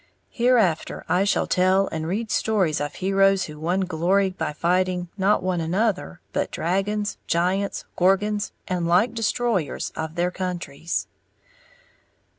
Hereafter I shall tell and read stories of heroes who won glory by fighting, not one another, but dragons, giants, gorgons, and like destroyers of their countries.